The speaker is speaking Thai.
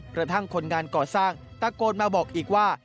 กระทั่งคนงานก่อสร้างตะโกนมาบอกอีกว่า